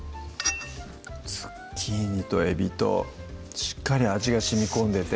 ズッキーニとえびとしっかり味がしみこんでて